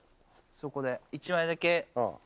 そこで、１枚だけ。